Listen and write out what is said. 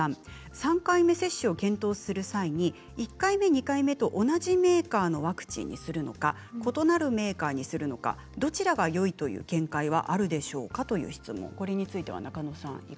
３回目接種を検討する際に１回目、２回目と同じメーカーのワクチンにするのか異なるメーカーにするのかどちらがよいという見解はありますか。